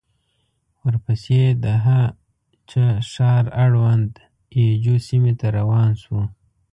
ورپسې د هه چه ښار اړوند اي جو سيمې ته روان شوو.